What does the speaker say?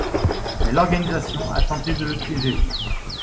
Mais l'organisation a tenté de le piéger.